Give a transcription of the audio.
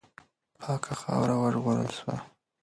پاکه خاوره وژغورل سوه.